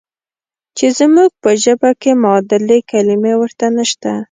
چې زموږ په ژبه کې معادلې کلمې ورته نشته.